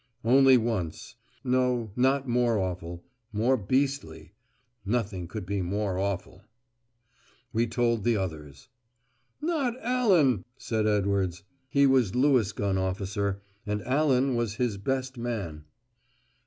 "Only once. No, not more awful: more beastly. Nothing could be more awful." We told the others. "Not Allan?" said Edwards. He was Lewis gun officer, and Allan was his best man.